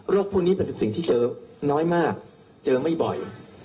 พวกนี้เป็นสิ่งที่เจอน้อยมากเจอไม่บ่อย